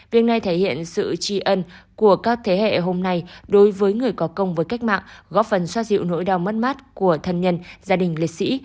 việc này thể hiện sự tri ân của các thế hệ hôm nay đối với người có công với cách mạng góp phần xoa dịu nỗi đau mất mát của thân nhân gia đình liệt sĩ